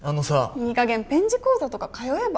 いいかげんペン字講座とか通えば？